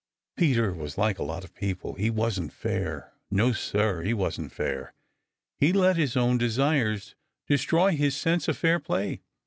Peter was like a lot of other people; he wasn't fair. No, Sir, he wasn't fair. He let his own desires destroy his sense of fair play.